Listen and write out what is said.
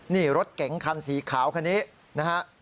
นี่รถเก๋งคันสีขาวคันนี้นะฮะ